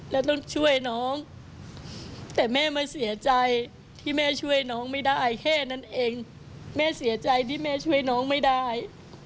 แล้วต้องช่วยน้องแต่แม่มาเสียใจที่แม่ช่วยน้องไม่ได้แค่นั้นเองแม่เสียใจที่แม่ช่วยน้องไม่ได้